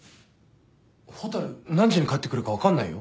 蛍何時に帰ってくるか分かんないよ？